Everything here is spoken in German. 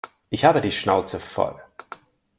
Ich habe die Schnauze voll.